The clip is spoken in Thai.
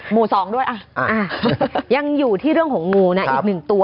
หมู่๒ด้วยอ่ะยังอยู่ที่เรื่องของงูนะอีกหนึ่งตัว